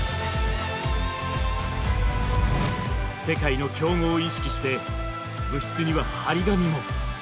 世界の強豪を意識して部室には貼り紙も！